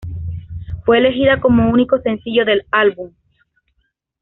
Fue elegida como único sencillo del álbum.